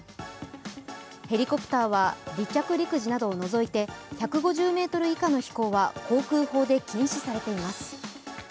ヘリコプターは離着陸時などを除いて１５０ｍ以下の飛行は航空法で禁止されています。